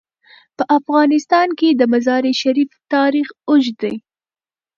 په افغانستان کې د مزارشریف تاریخ اوږد دی.